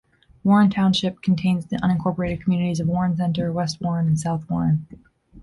Warren Township contains the unincorporated communities of Warren Center, West Warren, and South Warren.